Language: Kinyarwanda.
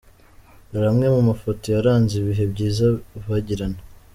Dore amwe mu mafoto yaranze ibihe byiza bagirana.